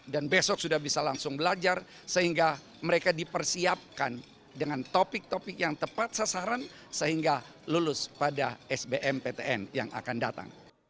dan besok sudah bisa langsung belajar sehingga mereka dipersiapkan dengan topik topik yang tepat sasaran sehingga lulus pada sbmptn yang akan datang